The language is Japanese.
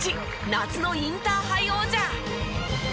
夏のインターハイ王者。